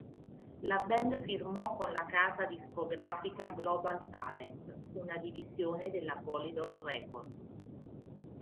La band firmò con la casa discografica Global Talent, una divisione della Polydor Records.